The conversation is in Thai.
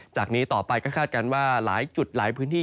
จากนี้ต่อไปก็คาดการณ์ว่าหลายจุดหลายพื้นที่